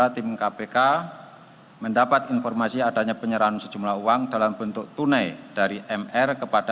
tim kpk mendapat informasi adanya penyelenggara negara yang berpengaruh dengan penyelenggara negara